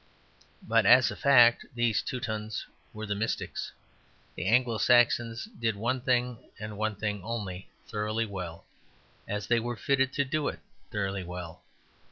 But as a fact these "Teutons" were the mystics. The Anglo Saxons did one thing, and one thing only, thoroughly well, as they were fitted to do it thoroughly well.